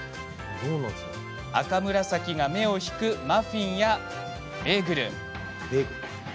赤紫が目を引くマフィンやベーグル。